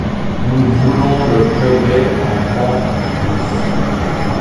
Nous voulons le progrès en pente douce.